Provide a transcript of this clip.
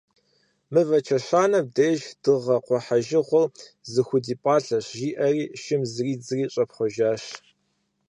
«Мывэ чэщанэм деж дыгъэ къухьэжыгъуэр зыхудипӏалъэщ», жиӏэри, шым зридзыри щӏэпхъуэжащ.